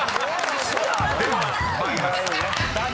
［では参ります］